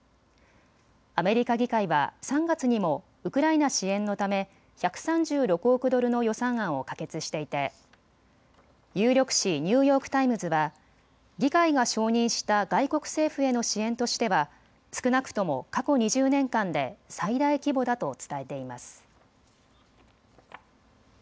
アメリカ議会は３月にもウクライナ支援のため１３６億ドルの予算案を可決していて有力紙、ニューヨーク・タイムズは議会が承認した外国政府への支援としては少なくとも過去２０年間で最大規模だと伝えています。